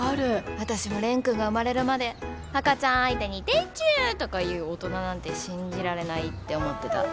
私も蓮くんが生まれるまで赤ちゃん相手に「でちゅ」とか言う大人なんて信じられないって思ってた。